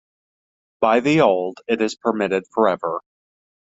By the old it is permitted forever.